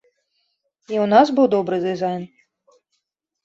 І ў нас быў добры дызайн.